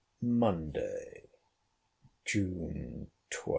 MONDAY, JUNE 12.